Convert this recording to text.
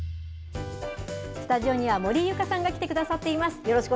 スタジオには森井ユカさんが来てくださっています。